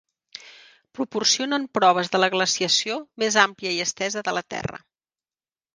Proporcionen proves de la glaciació més àmplia i estesa de la terra.